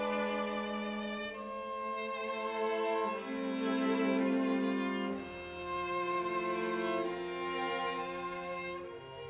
tapi berbekal semangat dan usaha pantang menyerah